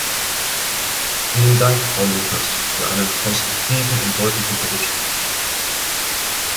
Vielen Dank, Frau Lucas, für einen konstruktiven und deutlichen Bericht.